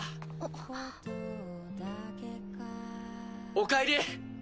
おかえり。